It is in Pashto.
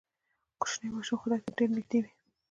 کوچني ماشومان خدای ته ډېر نږدې وي.